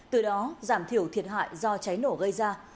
từ đó giảm thiểu thiệt hại do cháy nổ gây ra